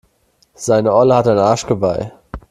Seine Olle hat ein Arschgeweih.